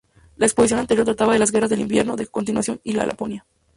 La exposición anterior trataba las Guerras de Invierno, de Continuación y de Laponia.